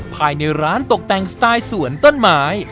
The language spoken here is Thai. ภายในร้านตกแต่งสไตล์สวนต้นไม้